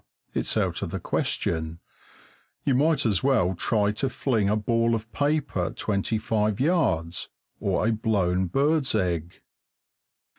It's out of the question; you might as well try to fling a ball of paper twenty five yards, or a blown bird's egg.